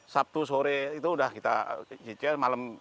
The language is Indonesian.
sabtu sore itu sudah kita cicil malam